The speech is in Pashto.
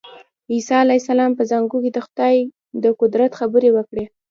عیسی علیه السلام په زانګو کې د خدای په قدرت خبرې وکړې.